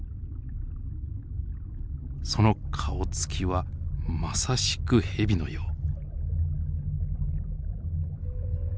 その顔つきはまさしくヘビのよう。